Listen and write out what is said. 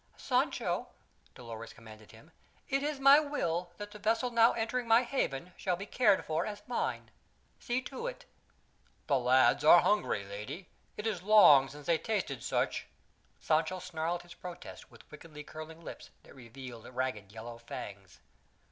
"Sancho," Dolores commanded him, "it is my will that the vessel now entering my haven be cared for as mine. See to it!" "The lads are hungry, lady; it is long since they tasted such " Sancho snarled his protest with wickedly curling lips that revealed ragged yellow fangs.